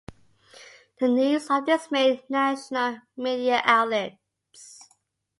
The news of this made national media outlets.